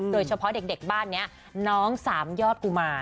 โดยเฉพาะเด็กบ้านนี้น้องสามยอดกุมาร